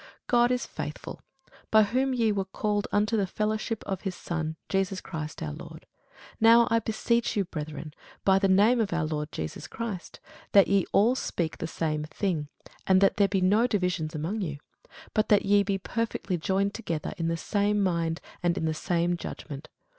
God is faithful, by whom ye were called unto the fellowship of his Son Jesus Christ our Lord. Now I beseech you, brethren, by the name of our Lord Jesus Christ, that ye all speak the same thing, and that there be no divisions among you; but that ye be perfectly joined together in the same mind and in the same judgment.